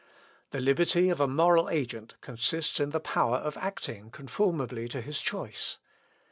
The liberty of a moral agent consists in the power of acting conformably to his choice.